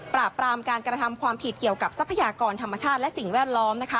ปราบปรามการกระทำความผิดเกี่ยวกับทรัพยากรธรรมชาติและสิ่งแวดล้อม